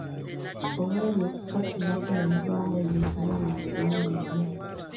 Olwali okukatemako ne muvamu ebintu n’abantu bangi nnyo.